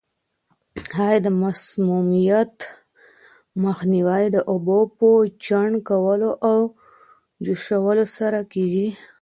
آیا د مسمومیت مخنیوی د اوبو په چاڼ کولو او جوشولو سره کیږي؟